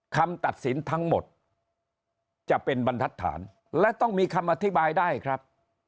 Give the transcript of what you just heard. คำตัดสินทั้งหมดจะเป็นบรรทัศน์และต้องมีคำอธิบายได้ครับ